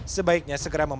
sebaiknya segera memeriksa